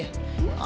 gak ada tuh sih